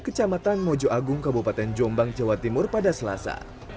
kecamatan mojo agung kabupaten jombang jawa timur pada selasa